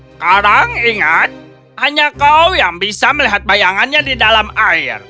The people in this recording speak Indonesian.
sekarang ingat hanya kau yang bisa melihat bayangannya di dalam air